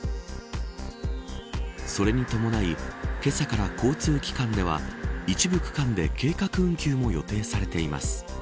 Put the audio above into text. それに伴いけさから交通機関では一部区間で計画運休も予定されています。